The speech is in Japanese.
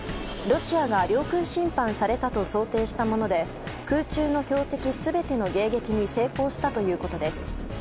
ロシアが領空侵犯されたと想定したもので空中の標的全ての迎撃に成功したということです。